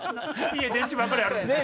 家電池ばっかりあるんですか？